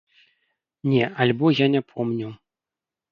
Не, альбо я не помню.